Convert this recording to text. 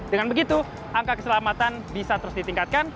dengan begitu angka keselamatan bisa terus ditingkatkan